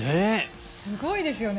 すごいですよね。